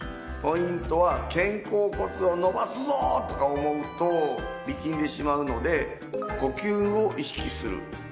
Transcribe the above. ポイントは肩甲骨を伸ばすぞーとか思うと力んでしまうので呼吸を意識する。